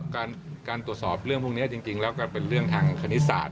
การตรวจสอบเรื่องพวกนี้จริงแล้วก็เป็นเรื่องทางคณิตศาสต